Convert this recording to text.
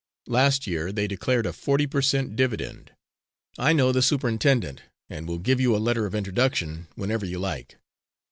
Last year they declared a forty per cent. dividend. I know the superintendent, and will give you a letter of introduction, whenever you like."